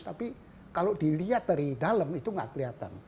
tapi kalau dilihat dari dalam itu nggak kelihatan